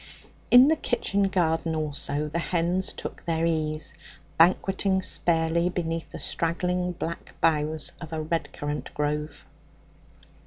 In the kitchen garden also the hens took their ease, banqueting sparely beneath the straggling black boughs of a red currant grove.